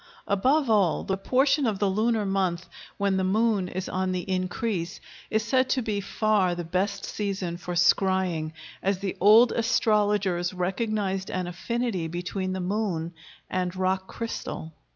Above all the portion of the lunar month when the moon is on the increase is said to be far the best season for scrying, as the old astrologers recognized an affinity between the moon and rock crystal.